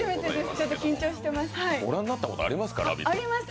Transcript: ちょっと緊張しています。